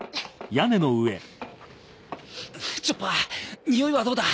チョッパーにおいはどうだ？